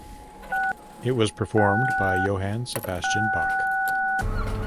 It was performed by Johann Sebastian Bach.